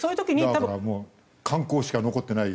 だからもう観光しか残ってないよ